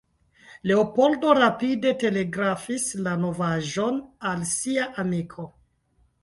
Leopoldo rapide telegrafis la novaĵon al sia amiko.